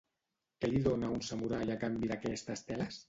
Què li dona un samurai a canvi d'aquestes teles?